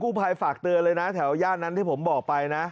ผู้ภัยฝากเตือนเลยนะแถวย่านนั้นที่ผมบอกไปนะ